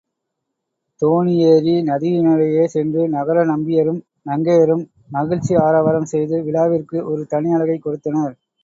தோணியேறி நதியினிடையே சென்று நகர நம்பியரும் நங்கையரும் மகிழ்ச்சி ஆரவாரம் செய்து விழாவிற்கு ஒரு தனி அழகைக் கொடுத்தனர்.